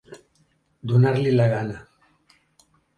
Donar-li la gana.